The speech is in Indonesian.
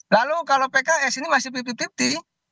lalu kalau pks ini masih pipti pipti